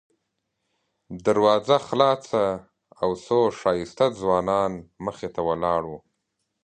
دروازه خلاصه او څو ښایسته ځوانان مخې ته ولاړ وو.